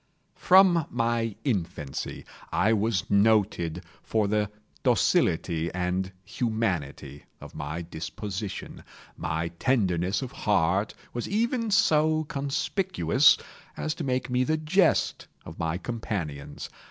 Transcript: From my infancy I was noted for the docility and humanity of my disposition. My tenderness of heart was even so conspicuous as to make me the jest of my companions.